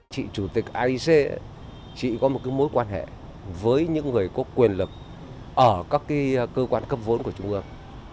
chị chủ tịch aic chị có một mối quan hệ với những người có quyền lực ở các cơ quan cấp vốn của trung ương